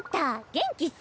元気っス。